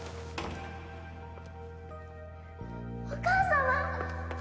お母様！